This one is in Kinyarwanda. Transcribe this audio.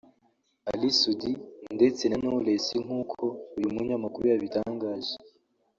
Ally Soudi ndetse na Knowless nkuko uyu munyamakuru yabitangaje